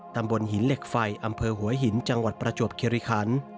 ตำบลหินเหล็กไฟอำเภอหัวหินจังหวัดประจวบคิริคัน